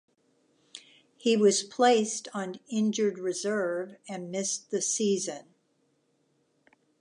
He was placed on injured reserve and missed the season.